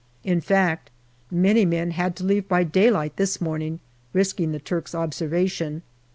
In fact, many men had to leave by daylight this morning, risking the Turks' observation.